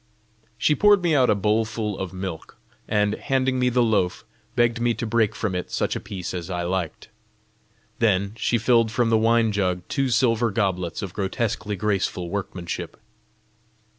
She poured me out a bowlful of milk, and, handing me the loaf, begged me to break from it such a piece as I liked. Then she filled from the wine jug two silver goblets of grotesquely graceful workmanship.